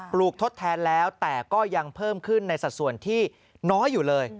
ลูกทดแทนแล้วแต่ก็ยังเพิ่มขึ้นในสัดส่วนที่น้อยอยู่เลย